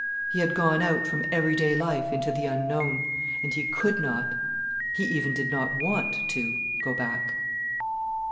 He had gone out from everyday life into the unknown, and he could not, he even did not want to go back.